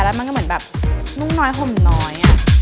แล้วมันก็เหมือนแบบนุ่มน้อยห่มน้อย